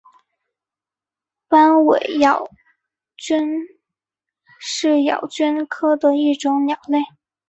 斑尾咬鹃是咬鹃科的一种鸟类。